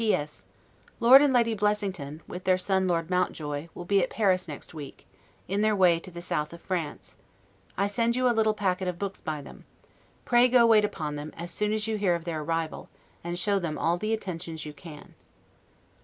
P. S. Lord and Lady Blessington, with their son Lord Mountjoy, will be at Paris next week, in their way to the south of France; I send you a little packet of books by them. Pray go wait upon them, as soon as you hear of their arrival, and show them all the attentions you can.